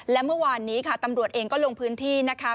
และเมื่อวานนี้ค่ะตำรวจเองก็ลงพื้นที่นะคะ